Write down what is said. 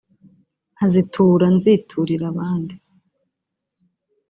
nkazitura nziturira abandi